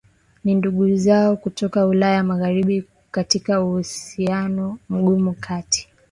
na ndugu zao kutoka Ulaya Magharibi Katika uhusiano mgumu kati